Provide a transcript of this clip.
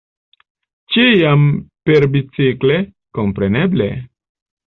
Ĉiam perbicikle, kompreneble!